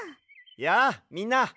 やあみんな！